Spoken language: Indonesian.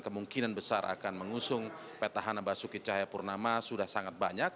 kemungkinan besar akan mengusung petahana basuki cahayapurnama sudah sangat banyak